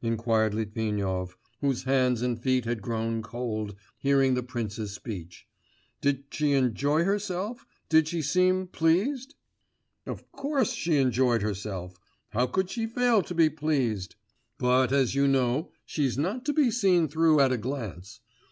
inquired Litvinov, whose hands and feet had grown cold hearing the prince's speech, 'did she enjoy herself, did she seem pleased?' 'Of course she enjoyed herself; how could she fail to be pleased? But, as you know, she's not to be seen through at a glance!